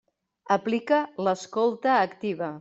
Aplica l'escolta activa.